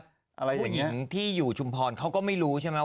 ผู้หญิงที่อยู่ชุมพรเขาก็ไม่รู้ใช่ไหม